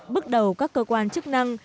bước đầu các cơ quan chức năng